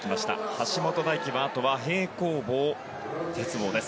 橋本大輝はあとは平行棒、鉄棒です。